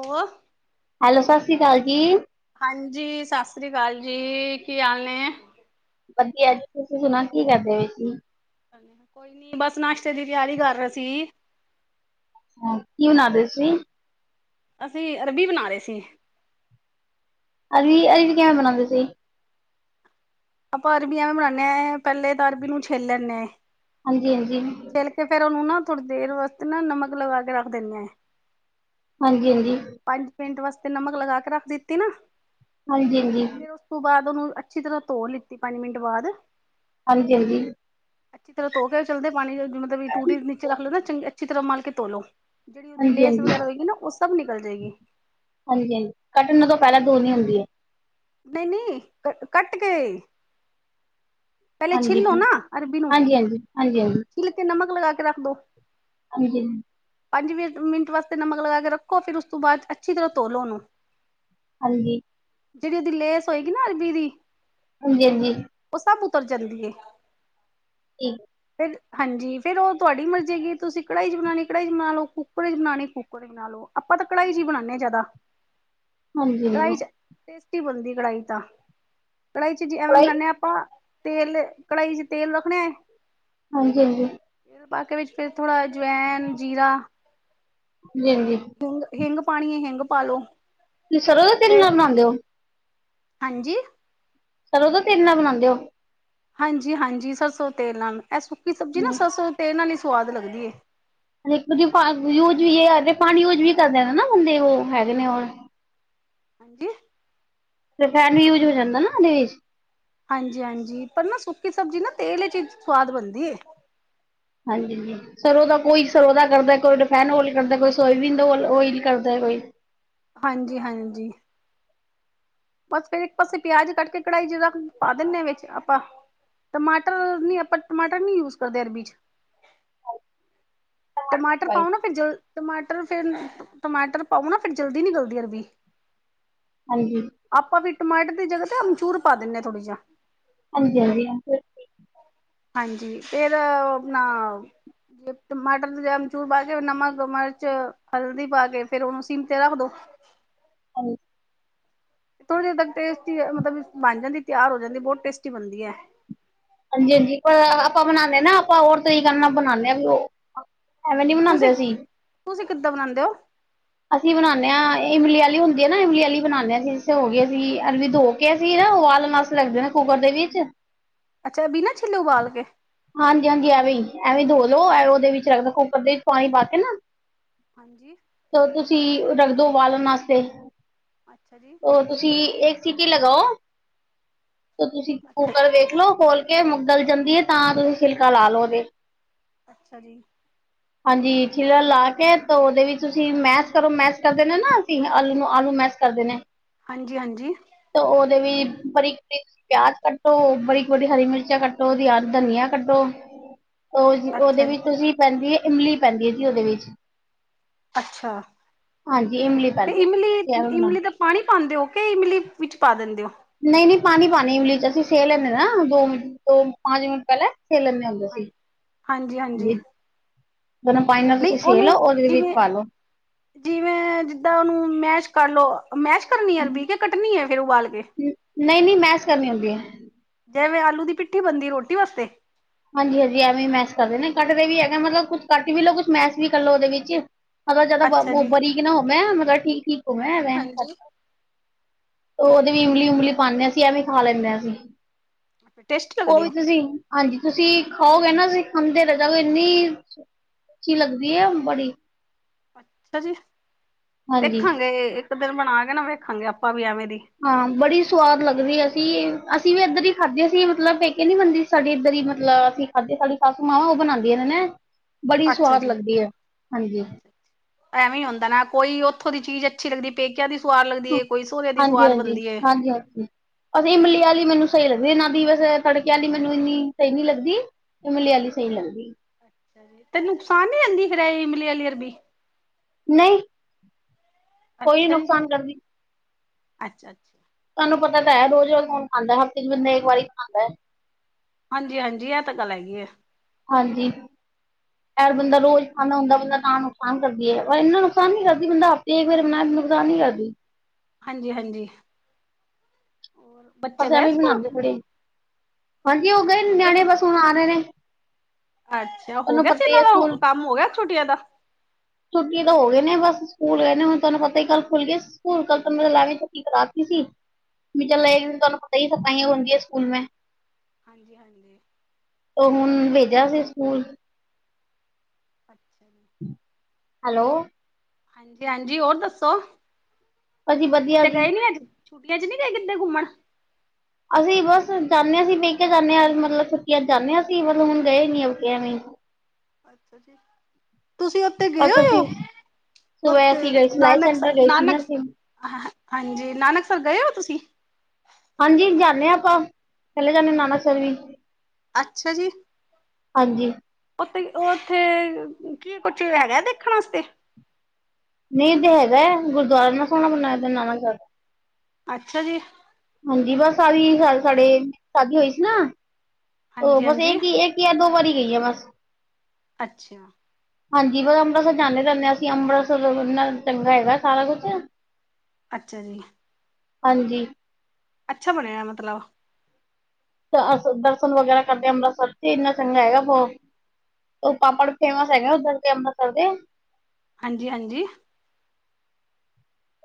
ਓ hello, ਸਾਸ ਸ਼੍ਰੀ ਕਾਲ ਜੀ। ਹਾਂਜੀ, ਸਾਸ ਸ੍ਰੀ ਕਾਲ ਜੀ ਕੀ ਹਾਲ ਨੇ ਵਧੀਆ ਜੀ ਤੁਸੀਂ ਸੁਣਾ ਕੀ ਕਰਦੇ ਪੇ ਸੀ? ਕੋਈ ਨੀ ਬਸ ਨਾਸ਼ਤੇ ਦੀ ਤਿਆਰੀ ਕਰ ਰੇ ਸੀ। ਹਾਂ ਕਿ ਬਣਾ ਦੇ ਸੀ? ਅਸੀਂ ਅਰਬੀ ਬਨਾ ਰੇ ਸੀ। ਅਰਵੀ ਅਰੀ ਕਿਵੇਂ ਬਣਾਦੇ ਤੁਹੀ? ਆਪਾਂ ਅਰਬੀ ਐਵੇ ਬਨਾਨੇ ਅ, ਪੈਲੇ ਤਾਂ ਅਰਬੀ ਨੂੰ ਛੇਲ ਲੈਂਨੇ। ਹਾਂਜੀ-ਹਾਂਜੀ। ਛੇਲ ਕੇ ਫੇਰ, ਓਨੂੰ ਨਾ ਥੋੜ੍ਹੀ ਦੇਰ ਵਾਸਤੇ ਨਾ ਨਮਕ ਲਗਾ ਕੇ ਰੱਖ ਦਿਨੇਆ। ਹਾਂਜੀ-ਹਾਂਜੀ। ਪੰਜ ਮਿੰਟ ਵਾਸਤੇ ਨਮਕ ਲਗਾ ਕੇ ਰੱਖ ਦਿੱਤੀ ਨਾ। ਹਾਂਜੀ-ਹਾਂਜੀ। ਤੇ ਓਸ ਤੋਂ ਬਾਅਦ, ਓਨੂੰ ਅੱਛੀ ਤਰ੍ਹਾਂ ਤੋ ਲਿੱਤੀ ਪੰਜ ਮਿੰਟ ਬਾਅਦ। ਹਾਂਜੀ-ਹਾਂਜੀ। ਅੱਛੀ ਤਰ੍ਹਾਂ ਧੋ ਕੇ ਚੱਲਦੇ ਪਾਣੀ ਮਤਲਬ ਵੀ ਟੂਟੀ ਦੇ ਨੀਚੇ ਰੱਖ ਲਓ ਨਾ ਚੰਗੀ ਅੱਛੀ ਤਰ੍ਹਾਂ ਮਲ ਕੇ ਧੋ ਲੋ। ਜੇੜੀ ਓਦੀ ਲੇਸ ਹਾਂਜੀ ਹਾਂਜੀ ਵਗੈਰਾ ਹੋਏਗੀ ਨਾ, ਓ ਸਭ ਨਿਕਲ ਜੇਗੀ। ਹਾਂਜੀ-ਹਾਂਜੀ, ਕੱਟਣ ਤੋਂ ਪਹਿਲਾਂ ਦੋਨੀ ਹੁੰਦੀਏ। ਨਹੀਂ-ਨਹੀਂ, ਕ ਕੱਟ ਕੇ ਪਹਿਲੇ ਛਿੱਲ ਲੋਨਾ ਅਰਬੀ ਨੂੰ। ਹਾਂਜੀ-ਹਾਂਜੀ। ਮਤਲਬ ਕੇ ਨਮਕ ਲਗਾ ਕੇ ਰੱਖ ਦੋ। ਹਨਜੀ। ਪੰਜ ਵੀ ਮਿੰਟ ਵਾਸਤੇ ਨਮਕ ਲਗਾ ਕੇ ਰੱਖੋ, ਫਿਰ ਉਸ ਤੋਂ ਬਾਅਦ ਅੱਛੀ ਤਰ੍ਹਾਂ ਤੋਲੋ ਉਹਨੂੰ। ਹੰਜੀ। ਜੇੜੀ ਏਦੀ ਲੇਸ ਹੋਏਗੀ ਨਾ ਅਰਬੀ ਦੀ ਹੰਜੀ-ਹੰਜੀ। ਓ ਸਬ ਉਤਰ ਜਾਂਦੀਏ। [unintelligible] ਫਿਰ ਹਾਂਜੀ ਫੇਰ ਓ ਤੁਆਡੀ ਮਰਜ਼ੀ ਹੈਗੀ, ਤੁਸੀਂ ਕੜਾਈ 'ਚ ਬਣਾਉਣੀ ਕੜਾਈ 'ਚ ਬਣਾ ਲਓ, ਕੁੱਕਕ 'ਚ ਬਣਾਣੀ ਕੁੱਕਰ 'ਚ ਬਣਾ ਲਓ। ਆਪਾ ਤਾਂ ਕੜਾਈ 'ਚ ਬਣਾਨੇ ਆਂ ਜਾਦਾ। ਹਾਂਜੀ ਹਾਂਜੀ ਕੜਾ'ਚ ਟਸਟੀ ਬਣਦੀ ਕੜਾਈ 'ਚ ਤਾਂ, ਕੜਾਈ 'ਚ ਜੇ ਐਵੇਂ ਪੜ੍ਹਾਈ ਬਣਾਨੇ ਆਂ ਆਪਾਂ ਤੇਲ ਕੜਾਈ 'ਚ ਤੇਲ ਰੱਖਣੇ ਹਾਂਜੀ-ਹਾਂਜੀ। ਬਾਕੀ ਵਿੱਚ ਫੇਰ ਥੋੜ੍ਹਾ ਅ ਜਵੈਨ, ਜੀਰਾ [unintelligible] ਹਿੰਗ ਹਿੰਗ ਪਾਣੀਏ ਹਿੰਗ ਪਾ ਲੋ। ਤੁਸੀਂ ਸਰੋਂ ਦਾ ਤੇਲ ਨਾਲ ਬਣਾਉਂਦੇ ਓ? ਹਨਜੀ। ਸਰੋਂ ਦੇ ਤੇਲ ਨਾਲ ਬਣਾਦੇ ਓ? ਹਾਂਜੀ-ਹਾਂਜੀ, ਸਰਸੋਂ ਤੇਲ ਨਾਲ ਇਹ ਸੁੱਕੀ ਸਬਜ਼ੀ ਨਾ ਹਮ, ਸਰਸੋਂ ਤੇਲ ਨਾਲ ਹੀ ਸਵਾਦ ਲੱਗਦੀਏ। [unintelligible] ਯੂਜ ਵੀ ਪਾਣੀ ਯੂਜ ਵੀ ਕਰ ਦੇਨੇ ਨਾ ਬੰਦੇ ਉਹ ਹੈਗੇ ਨੇ ਓ ਕਿ? ਤੇ ਫੈਨ ਵੀ ਯੂਜ ਹੋ ਜਾਂਦਾ ਨਾ ਓਦੇ ਵਿੱਚ। ਹਾਂਜੀ-ਹਾਂਜੀ, ਪਰ ਨਾ ਸੁੱਕੀ ਸਬਜ਼ੀ ਨਾ ਤੇਲ 'ਚ ਈ ਸਵਾਦ ਬਣਦੀਏ। ਹਾਂਜੀ ਜੀ। ਸਰੋਂ ਦਾ ਕੋਈ ਸਰੋਂ ਦਾ ਕਰਦਾ ਕੋਈ ਰਿਫਾਇੰਡ ਓਇਲ ਕਰਦਾ ਕੋਈ ਸੋਇਬੀਨ ਓਇਲ ਕਰਦਾ ਕੋਈ। ਹਾਂਜੀ-ਹਾਂਜੀ। ਬਸ ਫੇਰ ਇੱਕ ਪਾਸੇ ਪਿਆਜ ਕੱਟ ਕੇ ਕੜਾਈ'ਚ ਪਾ ਦਿੰਨੇ ਆਂ ਵਿੱਚ ਆਪਾਂ। ਟਮਾਟਰ ਨੀ ਆਪਾਂ ਟਮਾਟਰ ਨੀ ਯੂਜ ਕਰਦੇ ਅਰਬੀ 'ਚ। ਟਮਾਟਰ ਪਾਓ ਨਾ, ਫਿਰ ਟਮਾਟਰ ਫਿਰ ਟਮਾਟਰ ਪਾਓ ਨਾ ਫਿਰ ਜਲਦੀ ਨਹੀ ਗੱਲਦੀ ਅਰਬੀ। ਹਨਜੀ। ਆਪਾਂ ਵੀ ਟਮਾਟਰ ਦੀ ਜਗ੍ਹਾ ਤੇ ਅਮਚੂਰ ਪਾ ਦਿੰਦੇ ਹ ਥੋੜਾ ਜਾ। ਹੰਜੀ-ਹੰਜੀ [unintelligible] ਹਾਂਜੀ ਫੇਰ ਓ ਆਪਨਾ ਪ ਟਮਾਟਰ ਦੀ ਜਗਾ ਅਮਚੂਰ ਪਾ ਕੇ ਫੇਰ ਨਮਕ, ਮਰਚ, ਹਲਦੀ ਪਾ ਕੇ ਫੇਰ ਓਨੂੰ ਸਿਮ ਤੇ ਰੱਖ ਦੋ। ਹਾਂਜ ਐ ਥੋੜੀ ਤੱਕ ਟੇਸਟੀ ਅ ਮਤਲਬ ਬਨ ਜਾਂਦੀ ਤਿਆਰ ਹੋ ਜਾਂਦੀ। ਬੋਤ ਟੇਸਟੀ ਬਨਦੀ ਐ। ਹਾਂਜੀ-ਹਾਂਜੀ ਪਰ ਅ ਆਪਾਂ ਬਨਾਦੇ ਨਾ ਆਪਾਂ ਔਰ ਤਰੀਕੇ ਨਾਲ ਬਨਾਨੇ ਆਂ ਵੀ ਓ ਤੁਸੀ, ਤੁਸੀ ਕਿੱਦਾਂ ਬਨਾਂਦੇ ਓ? ਅਸੀ ਬਨਾਨੇ ਆਂ ਏ ਇਮਲੀ ਆਲੀ ਹੁੰਦੀ ਏ ਨਾ ਇਮਲੀ ਆਲੀ ਬਨਾਨੇ ਆਂ ਜਿਸਾਂ ਹੋ ਗੀ ਅਸੀ ਅਰਬੀ ਧੋ ਕੇ ਅਸੀ ਨਾ ਉਬਾਲਨ ਆਸਤੇ ਰੱਖ ਦਿੰਨੇ ਆਂ ਕੁੱਕਰ ਦੇ ਵਿੱਚ। ਅੱਛਾ, ਬਿਨਾਂ ਛਿੱਲੇ ਉਬਾਲ ਕੇ? ਹਾਂਜੀ-ਹਾਂਜੀ ਐਵੇ ਈ, ਐਵੇਂ ਈ ਧੋ ਲੋ। ਐ ਓਦੇ ਵਿੱਚ ਰੱਖ ਦੋ ਕੁੱਕਰ ਦੇ ਇੱਚ ਪਾਨੀ ਪਾ ਕੇ ਨਾ ਹਾਂਜੀ। ਤੋ ਤੁਸੀ ਓ ਰੱਖ ਦੋ ਉਬਾਲਨ ਆਸਤੇ। ਅੱਛਾ ਜੀ। ਔਰ ਤੁਸੀ ਏਕ ਸੀਟੀ ਲਗਾਓ ਓ ਤੁਸੀ ਅੱਛਾ ਕੂਕਰ ਵੇਖ ਲੋ ਖੋਲ [unintelligible] ਗਲ ਜਾਂਦੀ ਏ ਤਾਂ ਤੁਸੀ ਛਿਲਕਾ ਲਾ ਲੋ ਓਦੇ ਅੱਛਾ ਜੀ। ਹਾਂਜੀ ਛਿਲਰ ਲਾ ਕੇ ਤੋ ਓਦੇ ਵਿੱਚ ਤੁਸੀ ਮੈਸ ਕਰੋ। ਮੈਸ ਕਰ ਦੇਨੇ ਆਂ ਨਾ ਅਸੀ ਆਲੂ ਨੂੰ, ਆਲੂ ਮੈਸ ਕਰਦੇ ਨੇ ਹਾਂਜੀ-ਹਾਂਜੀ। ਤ ਓਦੇ ਵੀ ਬਾਰੀਕ ਬਰੀਕ ਪਿਆਜ਼ ਕੱਟੋ ਓ ਬਰੀਕ ਬਰੀਕ ਹਰੀ ਮਿਰ ਚਾ ਕੱਟੋ ਓਦੀ [unintelligible] ਧਨੀਆ ਕੱਟੋ, ਓ ਓਦੇ ਅੱਛਾ ਜੀ ਵਿੱਚ ਤੁਸੀ ਪੈਂਦੀ ਏ ਇਮਲੀ ਪੈਂਦੀ ਏ ਜੀ ਓਦੇ ਵਿੱਚ। ਅੱਛਾ ਹਾਂਜੀ ਇਮਲੀ ਤੇ ਪੈਂਦੀ ਇਮਲੀ, ਹੈ ਐਵੇਂ ਬਣਾ ਇਮਲੀ ਦਾ ਪਾਣੀ ਪਾਂਦੇ ਓ ਕੇ ਇਮਲੀ ਵਿੱਚ ਪਾ ਦਿੰਦੇ ਓ? ਨਈ-ਨਈ ਪਾਨੀ ਪਾਨੇਂ ਆਂ ਇਮਲੀ 'ਚ। ਅਸੀ ਸੇ ਲੇਨੇਂ ਨਾ ਦੋ ਮਿੰਟ [unintelligible] ਪੰਜ ਮਿੰਟ ਪੈਲੇ ਸੇ ਲੇਨੇਂ ਆ ਓਨੂੰ। ਹਾਂਜੀ-ਹਾਂਜੀ। ਗਰਮ ਪਾਨੀ ਨਾਲ ਤੁਸੀ ਸੇ ਲੋ। ਓਦੇ ਵਿੱਚ ਜਿਵੇਂ ਪਾ ਲੋ। ਜਿਵੇਂ ਜਿੱਦਾਂ ਓਨੂੰ ਮੈਸ਼ ਕਰ ਲੋ। ਅ ਮੈਸ਼ ਕਰਨੀ ਐ ਅਰਬੀ ਕੇ ਕੱਟਨੀ ਏ ਫੇਰ ਉਬਾਲ ਕੇ? ਨਈ-ਨਈ ਮੈਸ ਕਰਨੀ ਹੁੰਦੀ ਏ। ਜੈਵੇਂ ਆਲੂ ਦੀ ਪਿੱਠੀ ਬਨਦੀ ਏ ਰੋਟੀ ਵਾਸਤੇ? ਹਾਂਜੀ-ਹਾਂਜੀ ਐਵੇਂ ਮੈਸ ਕਰਦੇ ਨੇ। ਕੱਟਦੇ ਵੀ ਹੈਗਾ ਮਤਲਬ ਕੁਛ ਕੱਟ ਵੀ ਲੋ, ਕੁਛ ਮੈਸ ਵੀ ਕਰ ਲੋ ਓਦੇ ਵਿੱਚ। ਮਤਲਬ ਜਿਆਦਾ ਬ ਅੱਛਾ ਬੋ ਜੀ ਬਰੀਕ ਨਾ ਹੋਵੈਂ ਮਤਲਬ ਠੀਕ-ਠੀਕ ਹੋਵੈਂ ਹਾਂਜੀ ਹਾਂਜੀ [unintelligible] ਓ ਓਦੇ ਵੀ ਇਮਲੀ ਉਮਲੀ ਪਾਨੇ ਆ ਅਸੀ ਐਵੇ ਈ ਖਾ ਲੈਨੇ ਆ ਅਸੀ। ਟੇਸਟੀ ਲੱਗਦੀ ਓਵੀ ਉਹ ਤੁਸੀ, ਹਾਂਜੀ। ਤੁਸੀ ਖਾਓਗੇ ਨਾ ਤੁਸੀ ਖਾਂਦੇ ਰੈ ਜਾਓਗੇ ਏਨੀਂ ਅੱਛੀ ਲੱਗਦੀ ਏ ਬੜੀ। ਅੱਛਾ ਜੀ, ਹਾਂਜੀ ਦੇਖਾਗੇ ਏੱਕ ਦਿਨ ਬਣਾ ਕੇ ਨਾ ਵੇਖਾਂਗੇ ਆਪਾਂ ਵੀ ਐਵੇ ਦੀ। ਹਾਂ ਬੜੀ ਸਵਾਦ ਲੱਗਦੀ ਐ ਅਸੀ, ਅਸੀ ਵੀ ਏਧਰ ਈ ਖਾਧੇ ਸੀ ਮਤਲਬ ਪੇਕੇ ਨੀ ਬਨਦੀ ਸ ਸਾਡੀ ਏੱਧਰ ਈ ਮਤਲਬ ਅਸੀ ਖਾਧੇ ਸਾਡੀ ਸਾਸੂ ਮਾਂ ਓ ਬਨਾਂਦੀ ਏ ਨੇ ਨੈ। ਅੱਛਾ ਜੀ, ਹਾਂਜੀ ਐਵੇ ਈ ਹੁੰਦੈ ਨਾ ਕੋਈ ਓਥੋਂ ਦੀ ਚੀਜ ਛੀ ਲਗਦੀ ਏ। ਪੇਕਿਆਂ ਦੀ ਸੁਆਦ ਲਗਦੀ ਏ, ਕੋਈ ਸੋਰੇ ਦੀ ਸੁਆਦ ਬਨਦੀ ਏ। ਹਾਂਜੀ। [unintelligible] ਅਸੀ ਇਮਲੀ ਆਲੀ ਮੇਨੂੰ ਸਈ ਲੱਗਦੀ ਏ ਨਾ ਦੀ ਵੈਸੇ ਤੜਕੇ ਆਲੀ ਮੇਨੂੰ ਇੰਨੀ ਸਈ ਨੀ ਲੱਗਦੀ। ਇਮਲੀ ਆਲੀ ਸਈ ਲੱਗਦੀ। ਅੱਛਾ ਤੇ ਨੁਕਸਾਨ ਨੀ ਆਂਦੀ ਫੇਰ ਐ ਇਮਲੀ ਆਲੀ ਅਰਬੀ? ਨਈ। ਅੱਛਾ ਜੀ, ਅੱਛਾ ਅੱਛਾ। ਤੁਹਾਨੂੰ ਪਤਾ ਤਾ ਐ, ਰੋਜ਼-ਰੋਜ਼ ਕੌਣ ਖਾਂਦਾ ਹਫ਼ਤੇ ਚ ਬੰਦਾ ਏਕ ਵਾਰੀ ਖਾਂਦਾ ਐ। ਹਾਂਜੀ, ਹਾਂਜੀ, ਐਹ ਤਾਂ ਗੱਲ ਹੈਗੀ ਏ। ਹਾਂਜੀ। [inaudible] ਯਾਰ ਬੰਦਾ ਰੋਜ਼ ਖਾਦਾ ਹੁੰਦਾ ਬੰਦਾ ਤਾ ਨੁਕਸਾਨ ਕਰਦੀ ਏ, ਪਰ ਐਨਾ ਨੁਕਸਾਨ ਨੀ ਕਰਦੀ ਬੰਦਾ ਹਫ਼ਤੇ ਏਕ ਬੇਰ ਬਣਾਏ ਨੁਕਸਾਨ ਨੀ ਕਰਦੀ। ਹਾਂਜੀ, ਹਾਂਜੀ ਹੋਰ ਬੱਚੇ ਬਸ ਗਏ ਐਵੇ ਵੀ ਸਕੂਲ ਬਣਾਏ ਪੂਰੀ, ਹਾਂਜੀ ਉਹ ਗਏ ਨਿਆਣੇ ਬਸ ਹੁਣ ਆ ਰਹੇ ਨੇ। ਅੱਛਾ, ਹੋ ਤੁਹਾਨੂੰ ਗਿਆ ਸੀ ਪਤਾ ਹੀ ਇਹਨਾਂ ਹੈ ਸਕੂਲ ਦਾ ਕੰਮ ਹੋ ਗਿਆ ਛੁਟੀਆ ਦਾ। ਛੁੱਟੀ ਤਾਂ ਹੋ ਗਏ ਨੇ ਬਸ ਸਕੂਲ ਗਏ ਨੇ, ਹੁਣ ਤੁਹਾਨੂੰ ਪਤਾ ਹੀ ਕੱਲ੍ਹ ਖੁੱਲ ਗਏ ਸ। ਸਕੂਲ ਕੱਲ ਤੋ ਮੇ ਨਾਲੇ ਛੁੱਟੀ ਕਰਾਤੀ ਸੀ। ਵੀ ਚਲ ਏ ਅੱਛਾ ਜੀ ਤੁਹਾਨੂੰ ਪਤਾ ਹੀ ਸਖ਼ਤਾਈਆ ਹੁੰਦੀ ਐ ਸਕੂਲ ਮੇ। ਹਾਂਜੀ, ਹਾਂਜੀ। ਉਹ ਹੁਣ ਭੇਜਿਆ ਸੀ ਸਕੂਲ। ਅੱਛਾ ਜੀ। ਹੈਲੋ ਹਾਂਜੀ, ਹਾਂਜੀ ਹੋਰ ਦੱਸੋ, ਅਸੀਂ ਵਧੀਆ ਕਿਤੇੇ ਜੀ ਗਏ ਨੀ ਅੱਜ। ਛੁੱਟੀਆ ਚ ਨੀ ਗਏ ਕਿਦੇ ਘੁੰਮਣ। ਅਸੀ ਬਸ ਜਾਨੇ ਆ ਅਸੀ ਪੇਕੇ ਜਾਨੇ ਆ, ਮਤਲਬ ਛੁੱਟੀਆਂ ਚ ਜਾਨੇ ਆ, ਅਸੀ ਮਤਲਬ ਹੁਣ ਗਏ ਨੀ ਐਵਕੀ ਐਵੇ ਈ। ਅੱਛਾ ਜੀ। ਤੁਸੀਂ ਉੱਥੇ ਗਏ ਬਸ ਹੋਏ ਔ, ਅਸੀਂ ਸੁਬਹ ਉਥੇ ਅਸੀਂ ਗਏ ਸਿਲਾਈ ਨਾਨਕ ਸ ਸੈਂਟਰ ਗਏ ਸੀ ਨਾ ਨਾਨਕ ਅਸੀਂ ਹ ਹਾਂਜੀ, ਨਾਨਕਸਰ ਗਏ ਔ ਤੁਸੀਂ? ਹਾਂਜੀ ਜਾਨੇ ਆ ਆਪਾਂ, ਚੱਲੇ ਜਾਨੇ ਨਾਨਕਸਰ ਵੀ। ਅੱਛਾ ਜੀ। ਹਾਂਜੀ। ਉਥੇ, ਉੱਥੇ ਕੀ ਕੁਛ ਹੈਗਾ ਏ ਦੇਖਣ ਵਾਸਤੇ? ਨਹੀਂ ਤੇ ਹੈਗਾ ਐ, ਗੁਰਦੁਆਰਾ ਏਨਾ ਸੋਹਣਾ ਬਣਾਇਆ ਨਾਨਕਸਰ। ਅੱਛਾ ਜੀ। ਹਾਂਜੀ, ਬਸ ਆਹੀ ਸਾਲ ਸਾਡੇ ਸ਼ਾਦੀ ਹੋਈ ਸੀ ਨਾ ਉਹ ਬਸ ਹਾਂਜੀ-ਹਾਂਜੀ ਏਕੀ ਇਕ ਜਾ ਦੋ ਵਾਰੀ ਗਈ ਆ ਬਸ। ਅੱਛਾ-ਅੱਛਾ ਹਾਂਜੀ, ਬਸ ਅੰਬਰਸਰ ਜਾਨੇ ਰਹਿਨੇ ਆ ਅਸੀ, ਅੰਬਰਸਰ ਐਨਾ ਚੰਗਾ ਹੈਗਾ ਸਾਰਾ ਕੁਛ। ਅੱਛਾ ਜੀ। ਹਾਂਜੀ। ਅੱਛਾ ਬਣਿਐ ਮਤਲਬ। ਦਰਸ਼ਨ ਵਗੈਰਾ ਕਰਦੇ ਆ ਅੰਬਰਸਰ, ਇੰਨਾ ਚੰਗਾ ਹੈਗਾ ਵੋ। ਔ ਪਾਪੜ ਫੇਮਸ ਹੈਗਾ ਆ ਓਧਰ ਦੇ ਅੰਬਰਸਰ ਦੇ। ਹਾਂਜੀ, ਹਾਂਜੀ।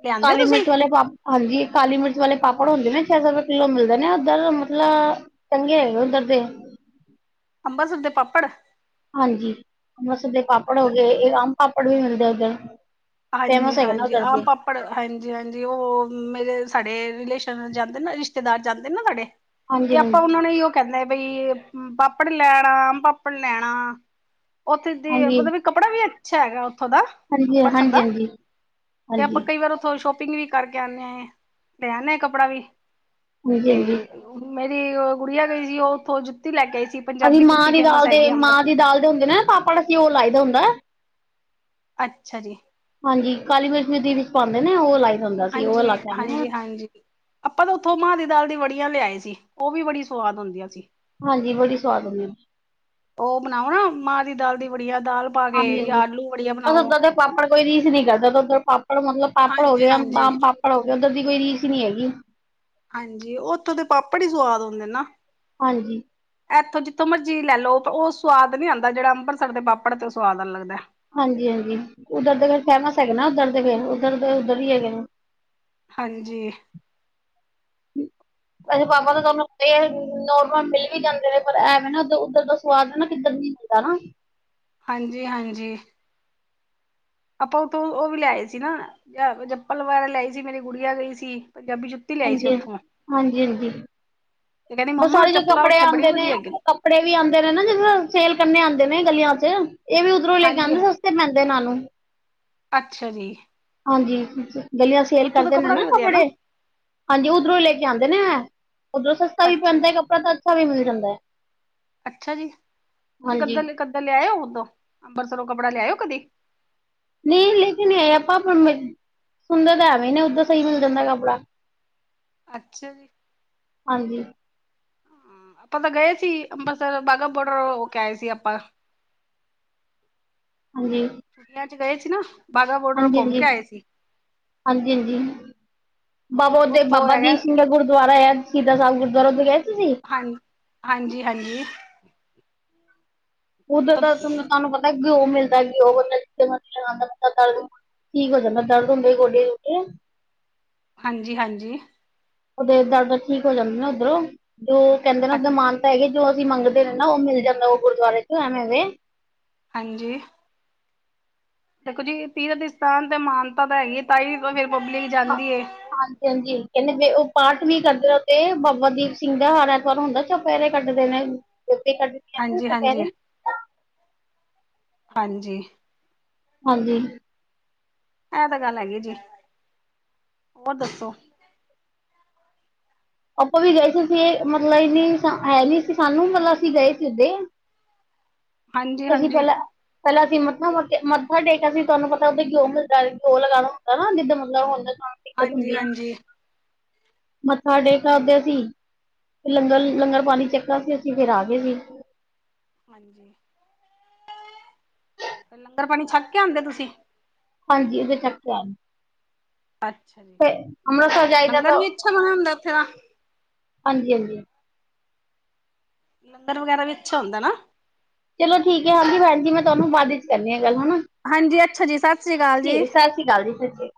ਲਿਆਂਦੇ ਹੋ ਕਾਲੀ ਮਿਰਚ ਤੁਸੀਂ ਵਾਲੇ ਪਾਪ ਹਾਂਜੀ, ਕਾਲੀ- ਮਿਰਚ ਵਾਲੇ ਪਾਪੜ ਹੁੰਦੇ ਨੇ, ਛੇ ਸੌ ਰੁਪਏ ਕਿੱਲੋ ਮਿਲਦੇ ਨੇ ਉੱਧਰ ਮਤਲਬ ਚੰਗੇ ਐ ਉਦਰ ਦੇ ਅੰਬਰਸਰ ਦੇ ਪਾਪੜ। ਹਾਂਜੀ, ਅੰਮ੍ਰਿਤਸਰ ਦੇ ਪਾਪੜ ਹੋ ਅੱਛਾ ਗਏ, ਇਹ ਆਮ ਪਾਪੜ ਵੀ ਮਿਲਦੇ ਉੱਧਰ। ਫੇਮਸ ਹੈਗੇ ਨਾ ਉਧਰ ਦੇ ਪਰ ਹਾਂਜੀ, ਹਾਂਜੀ ਉਹ ਮੇਰੇ ਸਾਡੇ ਰਿਲੇਸ਼ਨ ਜਾਂਦੇ ਨਾ, ਰਿਸ਼ਤੇਦਾਰ ਜਾਂਦੇ ਨਾ ਸਾਡੇ। ਹਾਂਜੀ ਤੇ ਆਪਾਂ ਹਾਂਜੀ ਉਹਨਾ ਨੇ ਉਹ ਕੈਂਦੇ ਬਈ ਪਾੱਪੜ ਲੈ ਆਣਾ, ਆਮ - ਪਾਪੜ ਲੈ ਆਣਾ ਉੱਥੇ ਦੀ ਹਾਂਜੀ ਮਤਲਬ ਕੱਪੜਾ ਵੀ ਅੱਛਾ ਹੈਗਾ ਓਥੋਂ ਦਾ ਹਾਂਜੀ ਅੰਬਰਸਰ ਦਾ। ਹਾਂਜੀ ਹਾਂਜੀ ਤੇ ਆਪਾਂ ਕਈ ਵਾਰ ਓਥੋਂ ਸ਼ੋਪ ਪਿੰਗ ਵੀ ਕਰਕੇ ਆਨੇ, ਲੇ ਆਨੇ ਆ ਕੱਪੜਾ ਵੀ। ਹਾਂਜੀ ਤੇ ਹਾਂਜੀ ਮੇਰੀ ਓ ਗੁੜੀਆ ਗਈ ਸੀ ਓ ਉੱਥੋਂ ਜੁੱਤੀ ਲੈ ਕੇ ਆਈ ਸੀ। ਅਸੀਂ ਪੰਜਾਬੀ ਮਾਂ ਜੁੱਤੀ ਦੀ ਦਾਲ ਫੇਮਸ ਦੇ, ਹੈਗੀ ਮਾਂ ਅੰਬਰਸਰ ਦੀ ਦਾਲ ਦੇ ਹੁੰਦੇ ਨੇ ਨਾ ਪਾਪੜ ਅਸੀ ਓ ਲਾਈ ਦਾ ਹੁੰਦੈ। ਅੱਛਾ ਜੀ। ਹਾਂਜੀ ਕਾਲੀ ਮਿਰਚ ਮੇਰੀ ਦੀਦੀ ਪਾਂਦੇ ਨੇ ਓ ਲਾਈ ਦਾ ਹੁੰਦਾ ਸੀ ਓ ਹਾਂਜੀ, ਲਾ ਕੇ ਆਨੇ ਆ। ਹਾਂਜੀ, ਹਾਂਜੀ। ਆਪਾਂ ਤਾਂ ਉੱਥੋਂ ਮਾਂ ਦੀ ਦਾਲ ਦੀ ਵੜੀਆਂ ਲਿਆਏ ਸੀ ਓ ਵੀ ਬੜੀ ਸੁਆਦ ਹੁੰਦੀਆਂ ਸੀ। ਹਾਂਜੀ ਬੜੀ ਸੁਆਦ ਹੁੰਦੀਆਂ। ਓ ਬਣਾਓ ਨਾ ਮਾਂ ਦੀ ਦਾਲ ਦੀ ਵੜੀਆ ਦਾਲ ਪਾ ਕੇ ਹਾਂਜੀ ਯਾਂ ਹਾਂਜੀ ਆਲੂ ਵੜੀਆ ਬਸ ਬਣਾਓ। ਉੱਦਾਂ ਦੇ ਪਾਪੜ ਕੋਈ ਰੀਸ ਈ ਨੀ ਕਰਦਾ ਤਾਂ ਉਧਰ ਪਾ ਪਾਪੜ ਮਤਲਬ ਪਾਪੜ ਹੋ ਹਾਂਜੀ, ਗਿਆ, ਆਮ ਹਾਂਜੀ, ਪਾ-ਪਾਪੜ ਹੋ ਗਿਆ ਓਧਰ ਦੀ ਕੋਈ ਰੀਸ਼ ਈ ਨੀ ਹੈਗੀ। ਹਾਂਜੀ ਓਥੋਂ ਦੇ ਪਾਪੜ ਈ ਸੁਆਦ ਹੁੰਦੇ ਨਾ। ਹਾਂਜੀ। ਐਥੋਂ ਜਿੱਥੋਂ ਮਰਜ਼ੀ ਲੈ ਲਓ ਓ ਸੁਆਦ ਨੀ ਆਂਦਾ ਜੇੜਾ ਅੰਬਰਸਰ ਦੇ ਪਾਪੜ ਚੋ ਸੁਆਦ ਆ ਲੱਗਦੈ। ਹਾਂਜੀ-ਹਾਂਜੀ। ਉੱਧਰ ਦੇ ਫੇਰ ਫੇਮੈਸ ਹੈਗੇ ਨਾ ਉੱਧਰ ਦੇ ਫੇਰ ਉੱਧਰ ਦੇ ਉੱਧਰ ਹੀ ਹੈਗੇ ਨੇ। ਹਾਂਜੀ। ਅਸੀੇ ਹੋਰ ਪਾਪਾ ਤਾਂ ਤੁਆਨੂੰ ਤੇ ਨੋਰਮਲ ਮਿਲ ਵੀ ਜਾਂਦੇ ਨੇ ਪਰ ਐਵੇਂ ਨਾ ਉਧ - ਉੱਧਰ ਦਾ ਸੁਆਦ ਨਾ ਕਿੱਧਰ ਨੀ ਹੁੰਦਾ ਨਾ। ਹਾਂਜੀ - ਹਾਂਜੀ। ਆਪਾਂ ਉੱਥੋਂ ਓ ਵੀ ਲੈ ਆਏ ਸੀ ਨਾ ਚ - ਜਪਲ ਵਗੈਰਾ ਲੈ ਆਏ ਸੀ। ਮੇਰੀ ਗੁੜੀਆ ਗਈ ਸੀ ਪੰਜਾਬੀ ਜੁੱ ਹਾਂਜੀ- ਹਾਂ, ਹਾਂਜੀ- ਹਾਂਜੀ ਤੇ ਕਹਿੰਦੀ ਮੰਮਾ ਬਸਾਰੇ ਜੋ ਚੱਪਲਾਂ ਕੱਪੜੇ ਉੱਥੇ ਬੜੀ ਆਂਦੇ ਨੇ ਵਧੀਆ ਹੈਗੀ ਕੱਪੜੇ ਵੀ ਆਂਦੇ ਨੇ ਨਾ ਜਿਸ, [unintelligible] ਸੇਲ ਕਰਨੇ ਆਂਦੇ ਨੇ ਗਲੀਆਂ ਚ। ਏ ਵੀ ਉੱਧਰੋਂ ਲੇ ਹਾਂਜੀ ਜਾਂਦੇ ਹਾਂ, ਸਸਤੇ ਪੈਂਦੇ ਇਨਾ ਨੂੰ। ਅੱਛਾ ਜੀ। ਹਾਂਜੀ, ਗਲੀਆਂ ਹਾਂਜੀ ਸੇਲ ਉੱਥੋਂ ਦਾ ਕਰਦੇ ਨੇ ਕੱਪੜਾ ਵੀ ਨਾ ਵਧੀਆ ਕੱਪੜੇ। ਹਾਂਜੀ ਉੱਧਰੋਂ ਲੈ ਕੇ ਆਂਦੇ ਨੇ ਐ, ਉੱਧਰੋਂ ਸਸਤਾ ਵੀ ਅੱਛਾ ਪੈਂਦੈ ਜੀ ਕੱਪੜਾ ਤਾਂ ਅੱਛਾ ਵੀ ਮਿਲ ਜਾਂਦੈ। ਅੱਛਾ ਜੀ! ਤੁਸੀਂ ਹਾਂਜੀ ਇਕ-ਅੱਧਾ ਲੈ- ਇਕ-ਅੱਧਾ ਲਿਆਇ ਓ ਉਦੋਂ, ਅੰਬਰਸਰੋ ਕੱਪੜਾ ਲਿਆਏ ਓ ਕਦੀ? ਨੀ ਲੇਕਿਨ ਏ ਆਪਾਂ [unintelligible] ਸੁਨਦੇ ਤਾਂ ਐਵੇਂ ਈ ਨੇ ਉੱਧਰ ਸਈ ਮਿਲ ਜਾਂਦੈ ਕੱਪੜਾ। ਅੱਛਾ ਜੀ। ਹਾਂਜੀ। ਹਾਂ ਆਪਾਂ ਤਾਂ ਗਏ ਸੀ ਅੰਬਰਸਰ, ਬਾਘਾ- ਬੋਡਰ ਹੋ ਕੇ ਆਏ ਸੀ ਆਪਾਂ। ਹਾਂਜੀ। ਛੁੱਟੀਆਂ ਚ ਗਏ ਸੀ ਨਾ। ਬਾਘਾ ਬੋਡਰ ਹਾਂਜੀ ਘੁੰਮ ਹਾਂਜੀ ਕੇ ਆਏ ਸੀ। ਹਾਂਜੀ- ਹਾਂਜੀ। ਬਾਬਾ ਹਾਂਜੀ ਉਦੇ ਉੱਥੋਂ ਬਾਬਾ ਹੈਗਾ ਦੀਪ ਸਿੰਘ ਦਾ ਗੁਰਦੁਆਰਾ ਆਯਾ ਸੀ ਸ਼ੀਦਾ ਸਾਬ ਗੁਰਦੁਆਰਾ ਉੱਧੇ ਗਏ ਸੀ ਤੁਸੀ? ਹਾਂ ਹਾਂਜੀ- ਹਾਂਜੀ। ਉੱਧਰ ਉੱਥੋਂ ਦਾ ਤਾਂ ਤਾਨੂੰ ਪਤਾ ਐ ਗਿਓਂ ਮਿਲਦਾ, ਘਿਓ ਬੰਦਾ ਜਿਥੇ ਮਰਜੀ ਲਗਾਂਦੈ ਤੇ ਦਰਦ [unintelligible] ਠੀਕ ਹੋ ਜਾਂਦਾ, ਦਰਦ ਹੁੰਦੇ ਗੋਡੇ - ਗਿੱਟੇ। ਹਾਂਜੀ- ਹਾਂਜੀ। ਉਦੇ ਦਰਦ ਠੀਕ ਹੋ ਜਾਂਦੇ ਨਾ ਉੱਧਰੋਂ, ਤੇ ਓ ਕੈਂਦੇ ਨਾ ਉੱਧਰ ਅੱਛਾ ਮਾਨਤਾ ਹੈਗੀ ਜੋ ਅਸੀਂ ਮੰਗਦੇ ਨੇ ਨਾ ਓ ਮਿਲ ਜਾਂਦਾ ਓ ਗੁਰਦੁਆਰੇ ਚ ਐਵੇਂ ਵੇ। ਹਾਂਜੀ! ਦੇਖੋ ਜੀ, ਤੀਰਥ ਦੀ ਸਥਾਨ ਤੇ ਮਾਨਤਾ ਤਾਂ ਹੈਗੀ ਐ, ਤਾਈ ਤੇ ਫਿਰ ਪਬਲਿਕ ਹਾਂ- ਜਾਂਦੀ ਏ। ਹਾਂਜੀ- ਹਾਂਜੀ ਕਹਿੰਦੇ ਪਏ। ਉਹ ਪਾਠ ਵੀ ਕਰਦੇ, ਤੇ ਬਾਬਾ ਦੀਪ ਸਿੰਘ ਦਾ ਹਾਰ ਐਤਵਾਰ ਹੁੰਦਾ ਚੁਪੈਰੇ ਕੱਟਦੇ ਨੇ। ਗੋਪੀ ਕੱਢ ਹਾਂਜੀ-ਹਾਂਜੀ- ਹਾਂਜੀ! ਹਾਂਜੀ! ਐਹ ਤਾਂ ਗੱਲ ਹੈਗੀ ਐ ਜੀ। ਹੋਰ ਦੱਸੋ? ਆਪਾਂ ਵੀ ਗਏ ਸੀ ਸੇ। ਮਤਲਬ ਇੰਨੀ ਸਾਂ ਹੈ, ਨੀ ਸੀ ਸਾਨੂੰ, ਮਤਲਬ ਅਸੀਂ ਗਏ ਸੀ ਉੱਧੇ। ਹਾਂਜੀ ਅਸੀਂ ਹਾਂਜੀ ਪਹਿਲਾਂ ਪਹਿਲਾਂ ਅਸੀਂ ਮੱਥਾ ਮੋਟਿਆ, ਮੱਥਾ ਟੇਕਿਆ ਸੀਂ। ਤੁਹਾਨੂੰ ਪਤਾ ਉੱਥੇ ਘਿਹੁ ਮਿਲਦਾ। ਘਿਓ ਲਗਾਉਣਾ ਹੁੰਦਾ ਨਾ ਜਿੱਦਾ ਮਤਲਬ ਹੁੰਦਾ ਦਿੱਕਤ ਹੁੰਦੀ ਹਾਂਜੀ-ਹਾਂਜੀ। ਸਾਡੇ ਘਰ ਦੇ ਸੀ। ਲੰਗਰ, ਲੰਗਰ ਪਾਣੀ ਚੱਕਾ ਸੀ। ਅਸੀਂ ਫਿਰ ਆਗੇ ਸੀ। ਲੰਗਰ-ਪਾਣੀ ਛੱਕ ਕੇ ਆਦੇ ਤੁਸੀਂ? ਹਾਂਜੀ! ਉਹਤੇ ਛਕ ਕੇ ਆਏ ਨੇ। ਅੱਛਾ! ਜੀ ਤੇ, ਅੰਮ੍ਰਿਤਸਰ ਜਾਈਦਾ ਲੰਗਰ ਤੋ, ਵੀ ਅੱਛਾ ਬਣਿਆ ਹੁੰਦਾ ਉੱਥੇ ਦਾ ਹਾਂਜੀ- ਹਾਂਜੀ ਲੰਗਰ ਵਗੈਰਾ ਵੀ ਅੱਛਾ ਹੁੰਦਾ ਨਾ। ਚਲੋ ਠੀਕ ਏ ਹਾਂਜੀ ਬੇਣ ਜੀ ਮੈਂ ਤੁਹਾਨੂੰ ਬਾਅਦ 'ਚ ਕਰਨੀ ਆ ਗੱਲ ਹਨਾ। ਹਾਂਜੀ ਅੱਛਾ ਜੀ, ਸਸ ਕਿ ਸਸਰੀ ਕਾਲ ਜੀ, ਸਸੀ